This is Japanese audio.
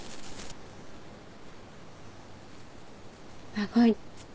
長い。